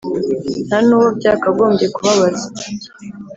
nta n’uwo byakagombye kubabaza.